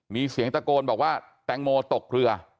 มีเสียงตะโกนบอกว่าแตงโมตกเรือ